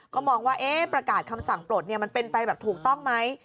ก็มองว่าประกาศคำสั่งปลดมันเป็นไปแบบถูกต้องไหม